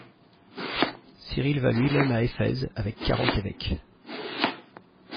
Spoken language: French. Cyrille va lui-même à Éphèse avec quarante évêques.